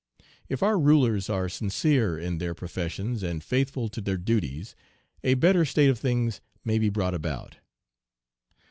If our rulers are sincere in their professions, and faithful to their duties, a better state of things may be brought about.